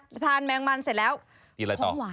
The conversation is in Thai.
มาทานแมงมันเสร็จแล้ว